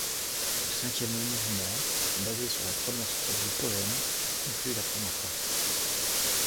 Le cinquième mouvement, basé sur la première strophe du poème, conclut la première partie.